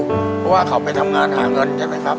เพราะว่าเขาไปทำงานหาเงินใช่ไหมครับ